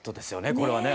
これはね。